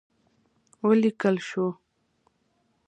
وليکل شول: